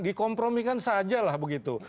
dikompromikan saja lah begitu